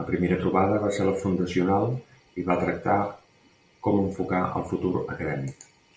La primera trobada va ser la fundacional i va tractar com enfocar el futur acadèmic.